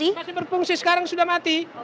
masih berfungsi sekarang sudah mati